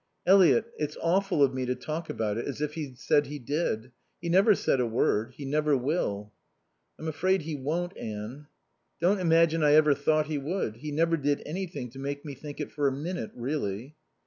"Eliot, it's awful of me to talk about it, as if he'd said he did. He never said a word. He never will." "I'm afraid he won't, Anne." "Don't imagine I ever thought he would. He never did anything to make me think it for a minute, really."